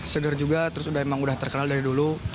segar juga terus memang sudah terkenal dari dulu